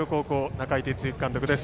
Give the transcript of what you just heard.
中井哲之監督です。